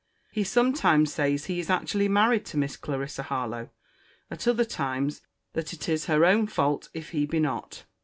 He sometimes says he is actually married to Miss Cl. Harlowe: at other times, that it is her own fault if he be not.